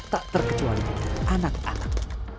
tak terkecuali anak anak